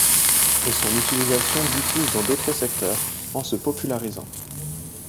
Et son utilisation diffuse dans d'autres secteurs en se popularisant.